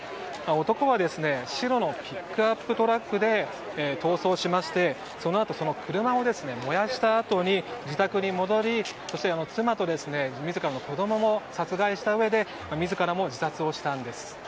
男は、白のピックアップトラックで逃走してそのあと車を燃やしたうえで自宅に戻りそして妻と自らの子供も殺害したうえで自らも自殺したんです。